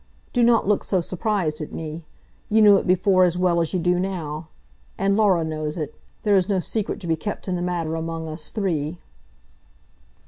Do not look so surprised at me. You knew it before as well as you do now; and Laura knows it. There is no secret to be kept in the matter among us three."